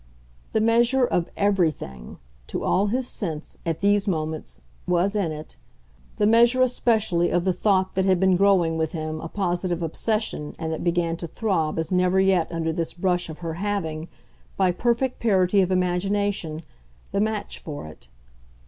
The measure of EVERYTHING, to all his sense, at these moments, was in it the measure especially of the thought that had been growing with him a positive obsession and that began to throb as never yet under this brush of her having, by perfect parity of imagination, the match for it.